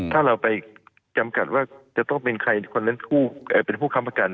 ถ้าเราไปจำกัดว่าจะต้องเป็นใครคนนั้นเป็นผู้ค้ำประกัน